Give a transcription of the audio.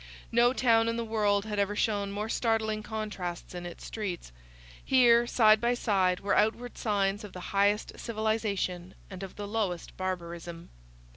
No town in the world had ever shown more startling contrasts in its streets. Here, side by side, were outward signs of the highest civilization and of the lowest barbarism.